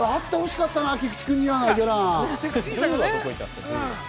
あってほしかったな菊池君には、ギャラン。